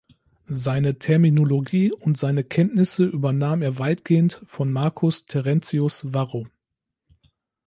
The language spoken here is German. Seine Terminologie und seine Kenntnisse übernahm er weitgehend von Marcus Terentius Varro.